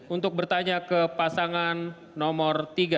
untuk bertanya ke pasangan nomor tiga